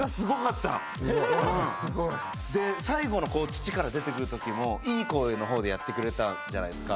で最後の土から出てくる時もいい声の方でやってくれたじゃないですか。